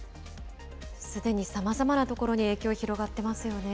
すでにさまざまなところに影響広がってますよね。